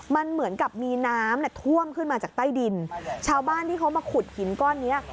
มันเหมือนกับมีน้ำเนี่ยท่วมขึ้นมาจากใต้ดินชาวบ้านที่เขามาขุดหินก้อนเนี้ย